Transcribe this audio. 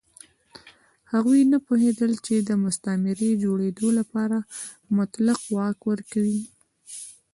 هغوی نه پوهېدل چې د مستعمرې جوړېدو لپاره مطلق واک ورکوي.